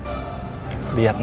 aku mau pergi ke rumah